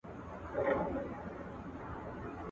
o پردى غوښه په ځان پوري نه مښلي.